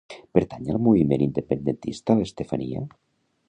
Pertany al moviment independentista l'Estefania?